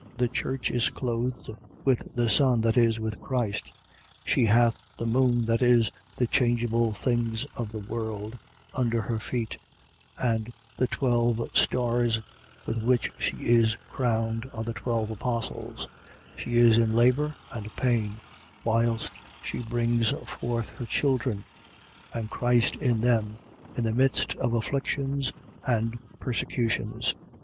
The church is clothed with the sun, that is, with Christ: she hath the moon, that is, the changeable things of the world, under her feet: and the twelve stars with which she is crowned, are the twelve apostles: she is in labour and pain, whilst she brings forth her children, and Christ in them, in the midst of afflictions and persecutions.